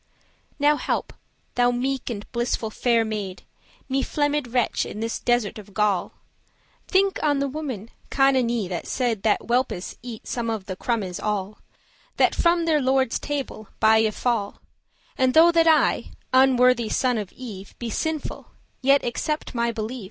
Now help, thou meek and blissful faire maid, Me, flemed* wretch, in this desert of gall; *banished, outcast Think on the woman Cananee that said That whelpes eat some of the crumbes all That from their Lorde's table be y fall;<5> And though that I, unworthy son of Eve,<6> Be sinful, yet accepte my believe.